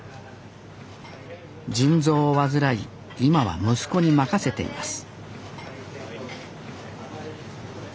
腎臓を患い今は息子に任せています